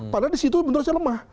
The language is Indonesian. padahal di situ benar benar lemah